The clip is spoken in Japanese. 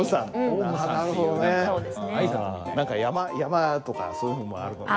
何か山とかそういうのもあるのかな？